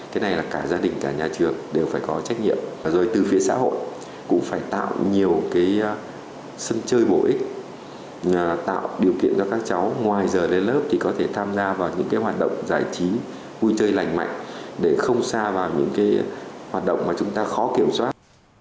cái này là cả gia đình cả nhà trường đều phải có trách nhiệm rồi từ phía xã hội cũng phải tạo nhiều sân chơi bổ ích tạo điều kiện cho các cháu ngoài giờ lên lớp thì có thể tham gia vào những hoạt động giải trí vui chơi lành mạnh để không xa vào những hoạt động mà chúng ta khó kiểm soát